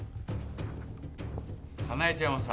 花恵ちゃんはさ。